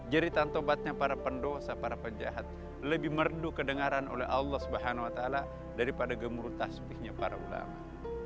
jeritan tobatnya para pendosa para penjahat lebih merdu kedengaran oleh allah swt daripada gemuruh tasbihnya para ulama